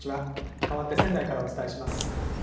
かわって仙台からお伝えします。